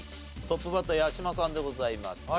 トップバッター八嶋さんでございます。